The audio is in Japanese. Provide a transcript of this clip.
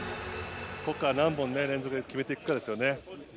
ここから何本連続で決めていくかですよね。